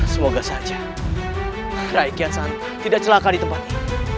semoga saja raiki asan tidak celaka di tempat ini